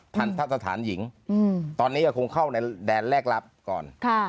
ทันทะสถานหญิงตอนนี้ก็คงเข้าในแดนแรกรับก่อน